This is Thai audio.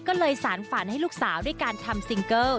ก็เลยสารฝันให้ลูกสาวด้วยการทำซิงเกิล